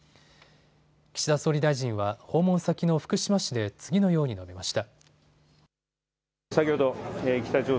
岸田総理大臣は訪問先の福島市で次のように述べました。